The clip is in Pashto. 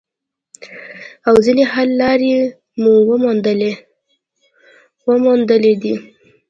او ځینې حل لارې مو موندلي دي